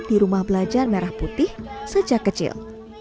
di rumah belajar merah putih sejak kecil